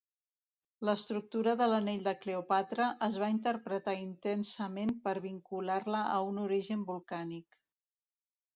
L'estructura de l'anell de Cleòpatra es va interpretar intensament per vincular-la a un origen volcànic.